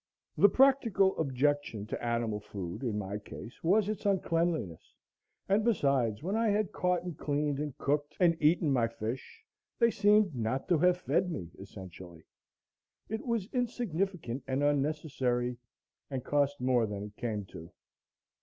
The practical objection to animal food in my case was its uncleanness; and, besides, when I had caught and cleaned and cooked and eaten my fish, they seemed not to have fed me essentially. It was insignificant and unnecessary, and cost more than it came to.